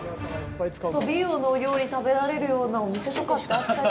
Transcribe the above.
トビウオのお料理食べられるようなお店とかってあったり。